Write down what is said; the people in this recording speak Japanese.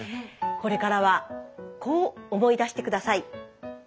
これからはこう思い出して下さい。